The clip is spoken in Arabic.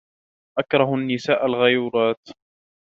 أكره النساء الغيورات.